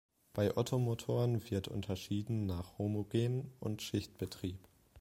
Bei Ottomotoren wird unterschieden nach Homogen- und Schichtbetrieb.